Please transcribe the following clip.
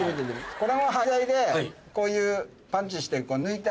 これも端材でこういう。